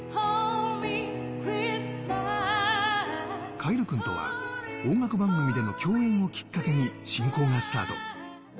凱成君とは音楽番組での共演をきっかけに親交がスタート。